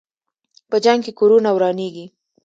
په جنګ کې کورونه ورانېږي.